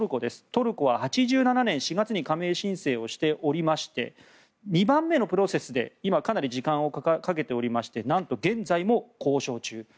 トルコは８７年４月に加盟申請してまして２番目のプロセスで今、かなり時間をかけておりましてなんと現在も交渉中。